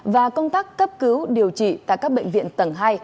và công tác cấp cứu điều trị tại các bệnh viện tầng hai